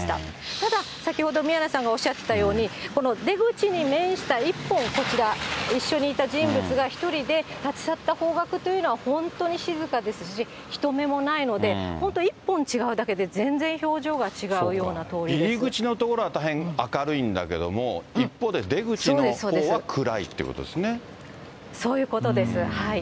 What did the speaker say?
ただ、先ほど宮根さんがおっしゃってたように、この出口に面した一本こちら、一緒にいた人物が１人で立ち去った方角というのは、本当に静かですし、人目もないので、本当、一本違うだけで、入り口の所は大変明るいんだけれども、一方で、出口のほうは暗いっていうことですね。